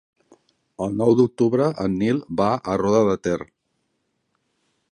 El nou d'octubre en Nil va a Roda de Ter.